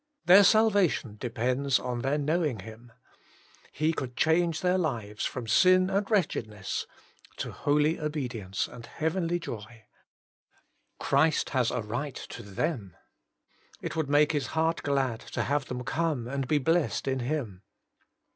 Their salvation depends on their knowing Him. He could change their lives from sin and wretchedness to holy obedi ence and heavenly joy. Christ has a right to them. It would make His heart glad to have them come and be blessed in Him.